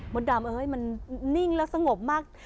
ดำมันนิ่งแล้วสงบมาก